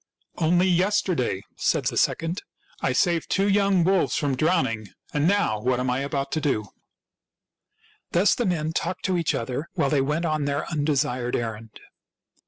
" Only yesterday," said the second, " I saved two young wolves from drowning. And now what am I about to do ?" Thus the men talked to each other while they went on their undesired errand.